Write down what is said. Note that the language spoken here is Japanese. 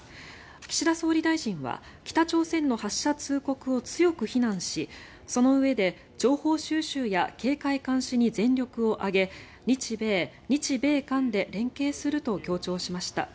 岸田総理大臣は北朝鮮の発射通告を強く非難しそのうえで情報収集や警戒監視に全力を挙げ日米・日米韓で連携すると強調しました。